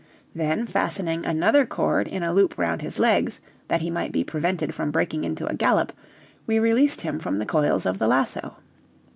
Then, fastening another cord in a loop round his legs that he might be prevented from breaking into a gallop, we released him from the coils of the lasso.